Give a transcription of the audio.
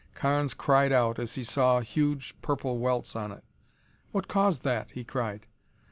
Carnes cried out as he saw huge purple welts on it. "What caused that?" he cried.